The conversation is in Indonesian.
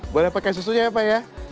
boleh pakai susunya ya pak ya